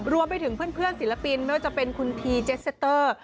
รวมไปถึงเพื่อนศิลปินไม่ว่าจะเป็นคุณพีเจสเซตเตอร์